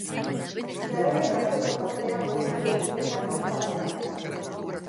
Zerrenden arteko tartea murriztu egiten da kanpoalderantz.